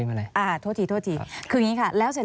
มันปวด